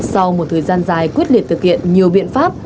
sau một thời gian dài quyết liệt thực hiện nhiều biện pháp